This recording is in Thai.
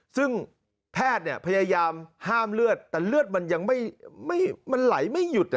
ซึ่งแพทย์พยายามห้ามเลือดแต่เลือดมันไหลไม่หยุด